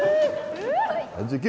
３９。